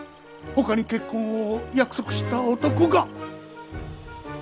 ほかに結婚を約束した男が。